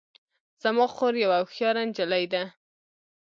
زما خور یوه هوښیاره نجلۍ ده